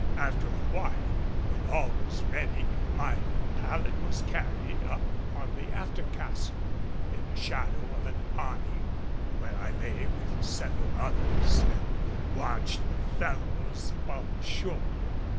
After awhile, when all was ready, my pallet was carried up on the after castle, in the shadow of an awning, where I lay with several others and watched the fellows upon the shore.